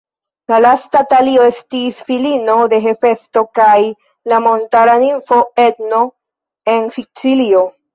La lasta Talio estis filino de Hefesto kaj la montara nimfo Etno, en Sicilio.